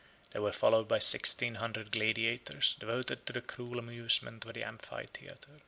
They were followed by sixteen hundred gladiators, devoted to the cruel amusement of the amphitheatre.